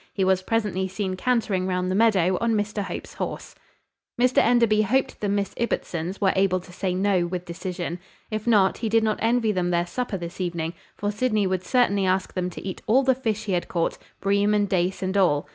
He was presently seen cantering round the meadow on Mr Hope's horse. Mr Enderby hoped the Miss Ibbotsons were able to say "No" with decision. If not, he did not envy them their supper this evening; for Sydney would certainly ask them to eat all the fish he had caught bream and dace and all.